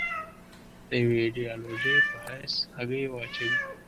د یوې ایدیالوژۍ په حیث هګۍ واچوي.